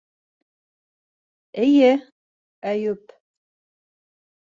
Эйе, Әйүп...